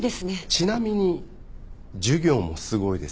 ちなみに授業もすごいですよ。